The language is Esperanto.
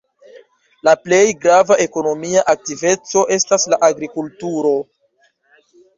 La plej grava ekonomia aktiveco estas la agrikulturo.